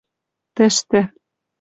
тӹштӹ